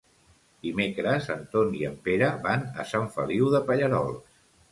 Dimecres en Ton i en Pere van a Sant Feliu de Pallerols.